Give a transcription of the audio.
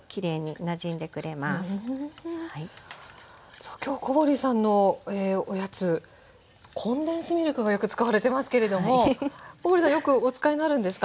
さあ今日小堀さんのおやつコンデンスミルクがよく使われてますけれども小堀さんよくお使いになるんですか？